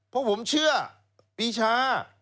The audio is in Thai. เพราะผมเชื่อปีชา